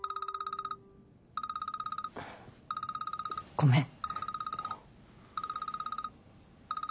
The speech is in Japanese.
ごめん。